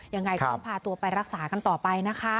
ยังไงก็ต้องพาตัวไปรักษากันต่อไปนะคะ